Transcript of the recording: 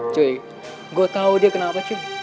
cuy gue tau dia kenapa cuy